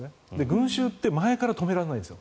群衆って前から止められないんです。